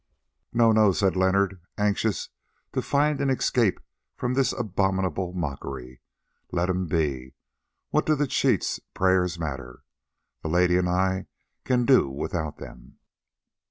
"NO, no," said Leonard, anxious to find an escape from this abominable mockery. "Let him be. What do the cheat's prayers matter? The lady and I can do without them."